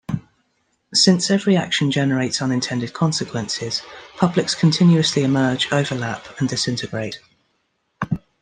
Since every action generates unintended consequences, publics continuously emerge, overlap, and disintegrate.